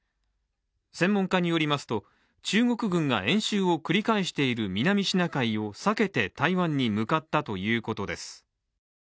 専門家によりますと、中国軍が演習を繰り返している南シナ海を避けて台湾に向かったということです。